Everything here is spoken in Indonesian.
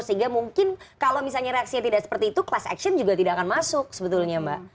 sehingga mungkin kalau misalnya reaksinya tidak seperti itu class action juga tidak akan masuk sebetulnya mbak